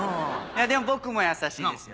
でも僕も優しいですよ。